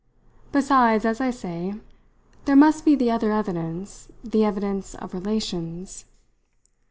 "Besides, as I say, there must be the other evidence the evidence of relations."